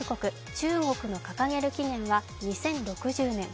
中国の掲げる期限は２０６０年。